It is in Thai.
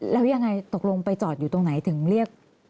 แล้วยังไงตกลงไปจอดอยู่ตรงไหนถึงเรียก